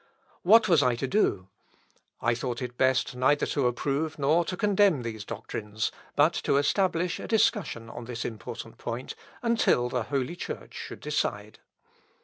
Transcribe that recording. "What was I to do? I thought it best neither to approve nor to condemn these doctrines; but to establish a discussion on this important point, until the Holy Church should decide.